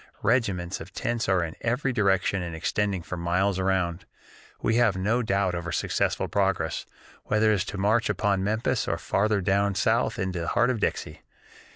Regiments of tents are in every direction and extending for miles around. We have no doubt of our successful progress, whether it is to march upon Memphis or farther down South into the heart of 'Dixie.'